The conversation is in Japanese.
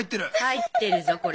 入ってるぞこれ。